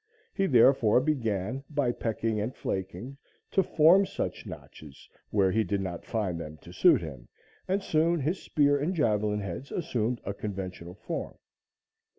He therefore began, by pecking and flaking, to form such notches where he did not find them to suit him, and soon his spear and javelin heads assumed a conventional form.